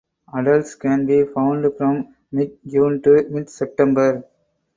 Adults can be found from mid June to mid September.